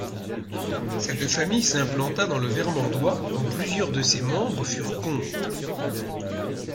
Cette famille s'implanta dans le Vermandois dont plusieurs de ses membres furent comtes.